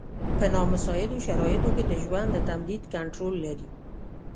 په نامساعدو شرایطو کې د ژوند د تمدید کنټرول لري.